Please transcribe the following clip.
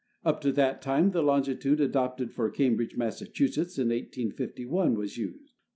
Up to that time the longitude adopted for Cambridge, Massachusetts, in 1851, was used.